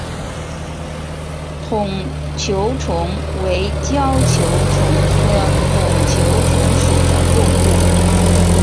筒球虫为胶球虫科筒球虫属的动物。